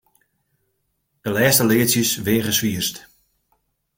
De lêste leadsjes weage swierst.